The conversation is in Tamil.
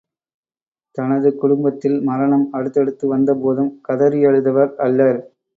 தனது குடும்பத்தில் மரணம் அடுத்தடுத்து வந்த போதும் கதறியழுதவர் அல்லர்.